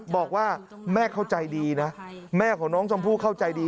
บอกว่าแม่เข้าใจดีนะแม่ของน้องชมพู่เข้าใจดี